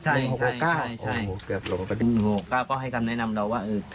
ใช่๑๖๖๙ก็ให้คำแนะนำเราว่า